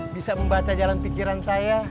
bisa membaca jalan pikiran saya